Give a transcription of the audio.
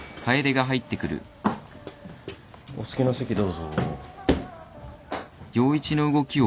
お好きな席どうぞ。